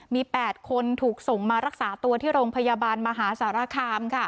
มี๘คนถูกส่งมารักษาตัวที่โรงพยาบาลมหาสารคาม